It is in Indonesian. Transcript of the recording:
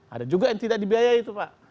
ada juga yang tidak dibiayai itu pak